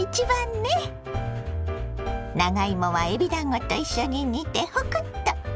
長芋はえびだんごと一緒に煮てホクッと！